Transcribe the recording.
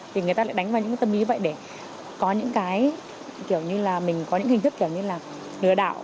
thì người ta lại đánh vào những cái tâm lý vậy để có những cái kiểu như là mình có những hình thức kiểu như là nửa đạo